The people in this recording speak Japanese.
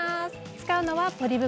使うのはポリ袋。